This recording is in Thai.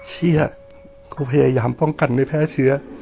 เชี่ยกูพยายามป้องกันไม่แพ้เชื้อ